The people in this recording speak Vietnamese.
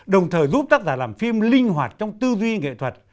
đồng thời giúp tác giả làm phim linh hoạt trong tư duy nghệ thuật